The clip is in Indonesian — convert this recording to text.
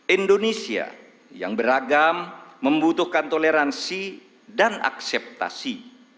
indonesia yang beragam membutuhkan toleransi dan akseptasi